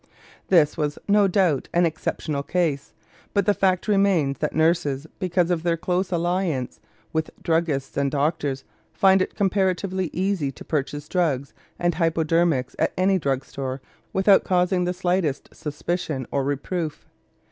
This was, no doubt, an exceptional case, but the fact remains that nurses, because of their close alliance with druggists and doctors, find it comparatively easy to purchase drugs and hypodermics at any drug store without causing the slightest suspicion or reproof.